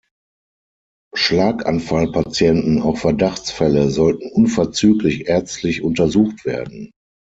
Schlaganfallpatienten, auch Verdachtsfälle, sollten unverzüglich ärztlich untersucht werden.